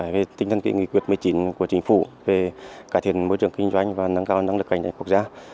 về tinh thần kỹ nghị quyết một mươi chín của chính phủ về cải thiện môi trường kinh doanh và nâng cao năng lực cạnh tranh quốc gia